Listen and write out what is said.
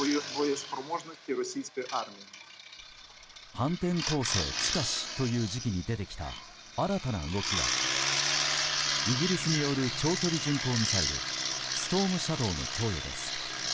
反転攻勢近しという時期に出てきた新たな動きがイギリスによる長距離巡航ミサイルストームシャドーの供与です。